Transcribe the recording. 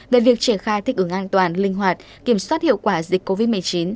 về việc triển khai thích ứng an toàn linh hoạt kiểm soát hiệu quả dịch covid một mươi chín